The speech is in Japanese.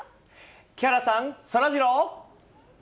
木原さん、そらジロー。